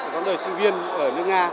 quãng đời sinh viên ở nước nga